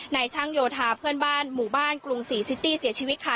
ช่างโยธาเพื่อนบ้านหมู่บ้านกรุงศรีซิตี้เสียชีวิตค่ะ